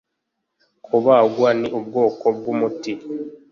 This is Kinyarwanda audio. kubagwa ni ubwoko bw'umuti.